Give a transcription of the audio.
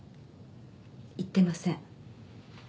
行ってません。